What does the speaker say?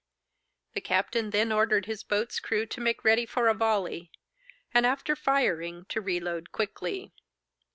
The captain then ordered his boat's crew to make ready for a volley, and after firing to re load quickly.